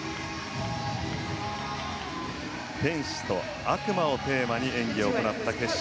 天使と悪魔をテーマに演技を行った決勝。